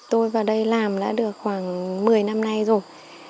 tôi vào đây làm đã được khoảng một mươi năm nay rồi